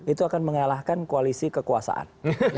itu akan mengalahkan koalisi kekuasaan